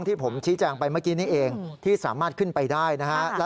ที่ผมชี้แจงไปเมื่อกี้นี้เองที่สามารถขึ้นไปได้นะฮะ